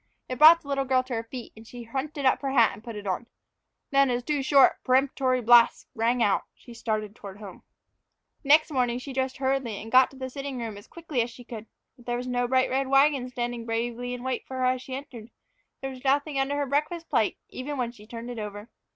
It brought the little girl to her feet, and she hunted up her hat and put it on. Then, as two short, peremptory blasts rang out, she started toward home. NEXT morning she dressed hurriedly and got to the sitting room as quickly as she could. But there was no bright red wagon standing bravely in wait for her as she entered; there was nothing under her breakfast plate, even, when she turned it over.